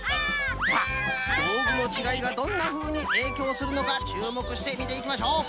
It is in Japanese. さあどうぐのちがいがどんなふうにえいきょうするのかちゅうもくしてみていきましょう。